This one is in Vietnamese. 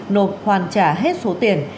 nộp hoàn trả hết số tiền